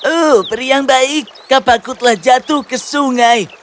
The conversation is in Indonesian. oh peri yang baik kapaku telah jatuh ke sungai